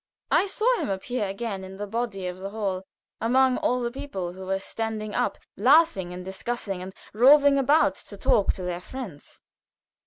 I saw him appear again in the body of the hall, among all the people, who were standing up, laughing and discussing and roving about to talk to their friends.